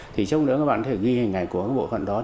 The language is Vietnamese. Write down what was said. trong lúc đó các bạn có thể ghi hình ảnh của bộ phận đó